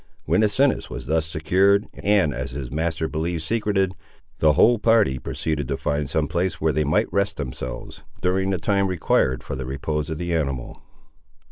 When Asinus was thus secured, and as his master believed secreted, the whole party proceeded to find some place where they might rest themselves, during the time required for the repose of the animal.